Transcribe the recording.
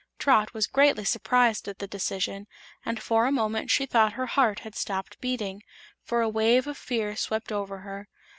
Trot was greatly surprised at the decision and for a moment she thought her heart had stopped beating, for a wave of fear swept over her.